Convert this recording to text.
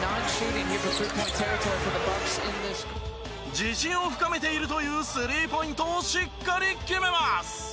自信を深めているというスリーポイントをしっかり決めます。